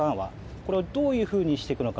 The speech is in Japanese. この辺をどういうふうにしていくのか。